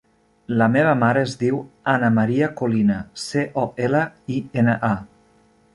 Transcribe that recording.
La meva mare es diu Ana maria Colina: ce, o, ela, i, ena, a.